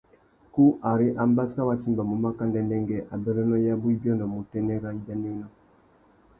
Kú ari ambassa wá timbamú maka ndêndêngüê, abérénô yabú i biônômú utênê râ ibianawénô.